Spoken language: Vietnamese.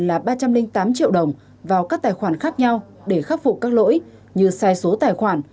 tổng số tiền là ba trăm linh tám triệu đồng vào các tài khoản khác nhau để khắc phục các lỗi như sai số tài khoản